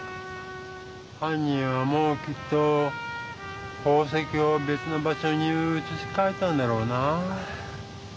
はん人はもうきっと宝石をべつの場所にうつしかえたんだろうな。